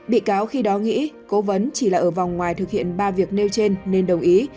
bị cáo khi đó nghĩ cố vấn chỉ là ở vòng ngoài thực hiện ba việc nêu trên nên đồng ý